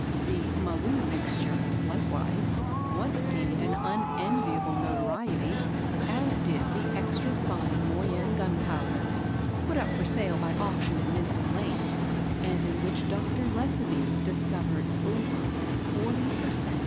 The "Maloo Mixture," likewise, once gained an unenviable notoriety, as did the "Extra Fine Moyune Gunpowder" put up for sale by auction in Mincing Lane, and in which Dr. Letheby discovered over 40 per cent.